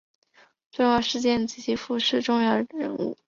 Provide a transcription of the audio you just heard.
重要事件及趋势逝世重要人物